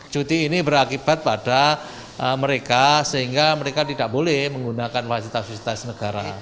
cuti ini berakibat pada mereka sehingga mereka tidak boleh menggunakan fasilitas fasilitas negara